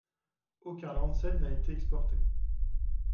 Aucun Lansen n'a été exporté.